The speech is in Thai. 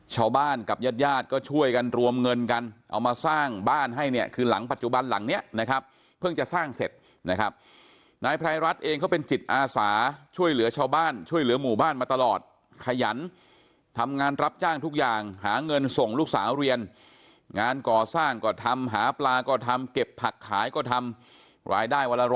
ชาวบ้านกับญาติญาติก็ช่วยกันรวมเงินกันเอามาสร้างบ้านให้เนี่ยคือหลังปัจจุบันหลังเนี้ยนะครับเพิ่งจะสร้างเสร็จนะครับนายไพรรัฐเองเขาเป็นจิตอาสาช่วยเหลือชาวบ้านช่วยเหลือหมู่บ้านมาตลอดขยันทำงานรับจ้างทุกอย่างหาเงินส่งลูกสาวเรียนงานก่อสร้างก็ทำหาปลาก็ทำเก็บผักขายก็ทำรายได้วันละ